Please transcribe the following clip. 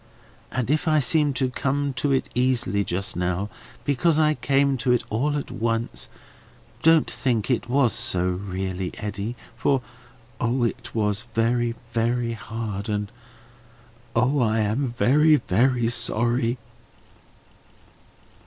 And if I seemed to come to it easily just now, because I came to it all at once, don't think it was so really, Eddy, for O, it was very, very hard, and O, I am very, very sorry!"